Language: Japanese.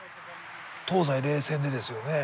東西冷戦でですよね。